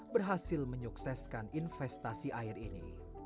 berhasil menyukseskan investasi air ini